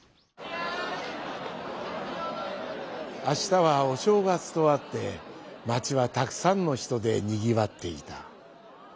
あしたはおしょうがつとあってまちはたくさんのひとでにぎわっていた。